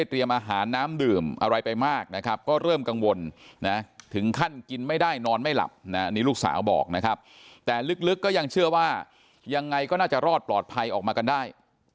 ถึงขั้นกินไม่ได้นอนไม่หลับนี่ลูกสาวบอกนะครับแต่ลึกก็ยังเชื่อว่ายังไงก็น่าจะรอดปลอดภัยออกมากันได้